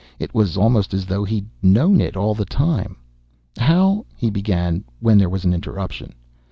It was almost as though he'd known it all the time. "How " he began, when there was an interruption.